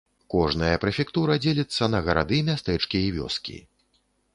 Кожная прэфектура дзеліцца на гарады, мястэчкі і вёскі.